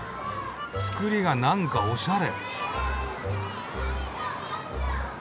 造りがなんかおしゃれ。